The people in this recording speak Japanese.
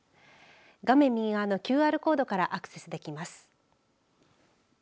画面右側のＱＲコードからアクセスできます。